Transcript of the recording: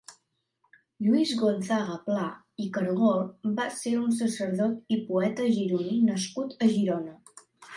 Lluís Gonzaga Pla i Cargol va ser un sacerdot i poeta gironí nascut a Girona.